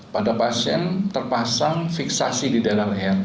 pada pasien terpasang fiksasi di dalam leher